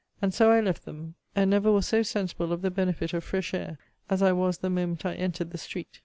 And so I left them; and never was so sensible of the benefit of fresh air, as I was the moment I entered the street.